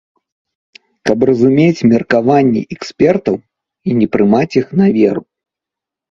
Каб разумець меркаванні экспертаў, а не прымаць іх на веру.